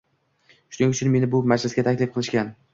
Shuning uchun meni bu majlisga taklif qilishgan.